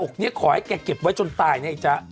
ขอให้แกเก็บไว้จนตายเนี่ยอีจ๊ะ